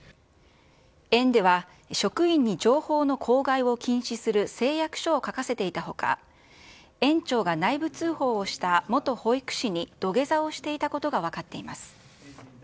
園では、職員に情報の口外を禁止する誓約書を書かせていたほか、園長が内部通報をした元保育士に土下座をしていたことが分かっています。